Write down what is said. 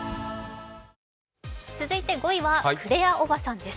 続いて５位はクレアおばさんです。